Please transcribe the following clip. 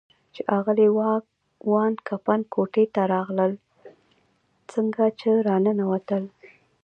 چې اغلې وان کمپن کوټې ته راغلل، څنګه چې را ننوتل.